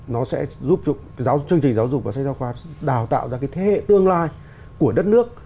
nó sẽ giúp cho chương trình giáo dục và sách giáo khoa đào tạo ra cái thế hệ tương lai của đất nước